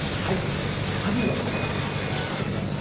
ハギの花が咲いてました。